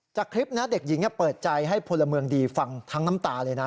คลิปนะเด็กหญิงเปิดใจให้พลเมืองดีฟังทั้งน้ำตาเลยนะ